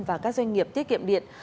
và các doanh nghiệp tiết kiệm điện